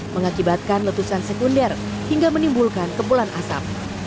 mengakibatkan letusan sekunder hingga menimbulkan kebulan asap